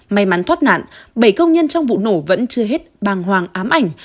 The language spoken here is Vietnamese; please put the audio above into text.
may mắn thoát nạn bảy công nhân trong vụ nổ vẫn chưa hết bàng hoàng ám ảnh